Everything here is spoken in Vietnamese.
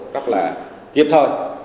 rất là kịp thôi